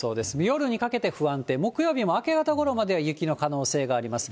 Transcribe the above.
夜にかけて不安定、木曜日も明け方ごろまでは雪の可能性があります。